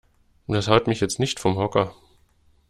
Das haut mich jetzt nicht vom Hocker.